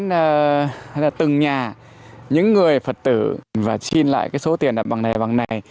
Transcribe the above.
hay là từng nhà những người phật tử và xin lại cái số tiền là bằng này bằng này